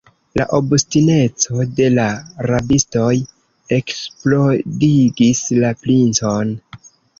La obstineco de la rabistoj eksplodigis la princon.